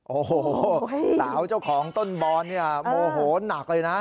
โอ้โหสาวเจ้าของต้นบอนเนี่ยโมโหนักเลยนะ